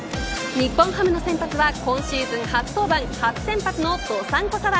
日本ハムの先発は今シーズン初登板初先発の道産子左腕。